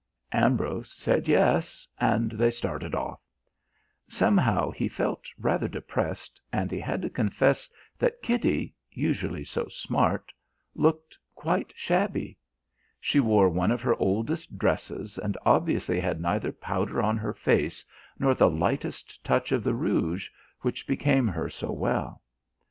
Ambrose said "yes" and they started off. Somehow he felt rather depressed and he had to confess that Kitty usually so smart looked quite shabby. She wore one of her oldest dresses and obviously had neither powder on her face nor the lightest touch of the rouge which became her so well.